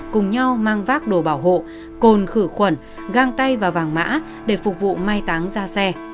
cùng nhau mang vác đồ bảo hộ cồn khử khuẩn găng tay và vàng mã để phục vụ mai táng ra xe